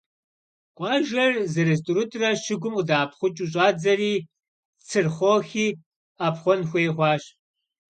Къуажэр зырыз-тӏурытӏурэ щыгум къыдэӏэпхъукӏыу щӏадзэри, Цырхъохи ӏэпхъуэн хуей хъуащ.